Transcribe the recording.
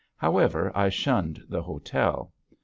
However, I shunned the hotel.